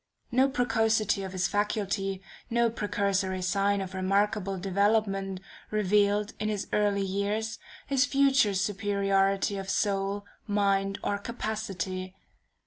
No precocity of his faculties, no precursory sign of remarkable development, revealed, in his early years, his future superiority of soul, mind, or capacity.